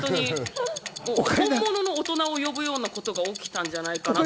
本物の大人を呼ぶようなことが来たんじゃないかなって。